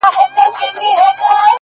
زموږ څه ژوند واخله!